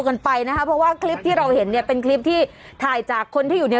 กันไปนะคะเพราะว่าคลิปที่เราเห็นเนี่ยเป็นคลิปที่ถ่ายจากคนที่อยู่เนี่ย